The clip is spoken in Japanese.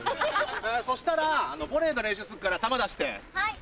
そしたらボレーの練習するから球出して。